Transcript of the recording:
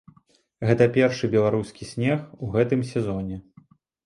Гэта першы беларускі снег у гэтым сезоне.